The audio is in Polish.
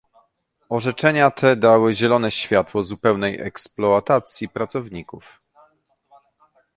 Orzeczenia te dały zielone światło zupełnej eksploatacji pracowników